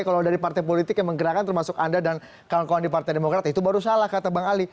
kalau dari partai politik yang menggerakkan termasuk anda dan kawan kawan di partai demokrat itu baru salah kata bang ali